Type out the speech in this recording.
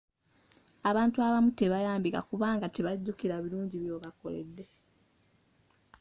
Abantu abamu tebayambika kubanga tebajjukira birungi by'obakoledde.